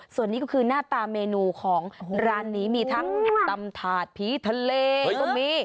ส่วนนี้ก็คือหน้าตาเมนูของร้านนี้มีทั้งตำถาดผีทะเลก็มี